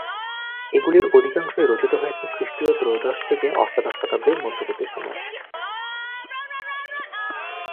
এগুলির অধিকাংশই রচিত হয়েছে খ্রিষ্টীয় ত্রয়োদশ থেকে অষ্টাদশ শতাব্দীর মধ্যবর্তী সময়ে।